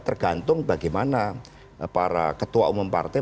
tergantung bagaimana para ketua umum partai